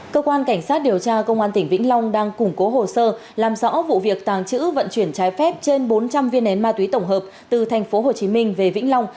cơ quan cảnh sát điều tra công an tỉnh vĩnh long đang củng cố hồ sơ làm rõ vụ việc tàng chữ vận chuyển trái phép trên bốn trăm linh viên nén ma túy tổng hợp từ tp hcm về vĩnh long